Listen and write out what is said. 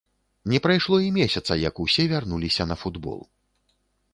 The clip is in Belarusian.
Не прайшло і месяца, як усе вярнуліся на футбол.